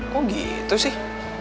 kok gitu sih